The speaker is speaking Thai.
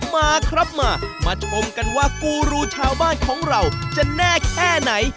มาครับมามาชมกันว่ากูรูชาวบ้านของเราจะแน่แค่ไหน